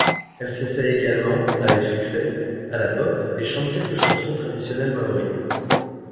Elle s'essaye également, avec succès, à la pop et chante quelques chansons traditionnelles maori.